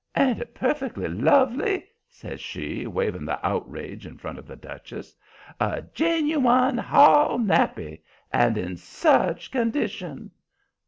"Ain't it perfectly lovely?" says she, waving the outrage in front of the Duchess. "A ginuwine Hall nappy! And in SUCH condition!"